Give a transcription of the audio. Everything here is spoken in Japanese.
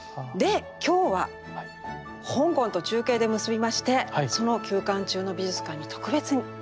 で今日は香港と中継で結びましてその休館中の美術館に特別に。